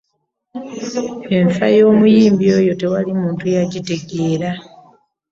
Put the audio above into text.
Enfa y'omuyimbi eyo tewali muntu yagitegeera.